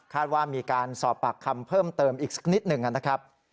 ว่ามีการสอบปากคำเพิ่มเติมอีกสักนิดหนึ่งนะครับ